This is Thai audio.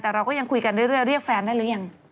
แต่เราก็ยังคุยกันเรื่อยเรียกแฟนได้หรือยัง